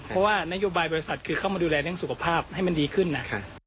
เพราะว่านโยบายบริษัทคือเข้ามาดูแลเรื่องสุขภาพให้มันดีขึ้นนะ